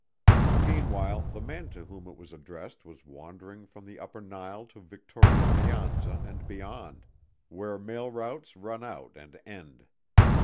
Meanwhile, the man to whom it was addressed was wandering from the upper Nile to Victoria Nyanza and beyond where mail routes run out and end.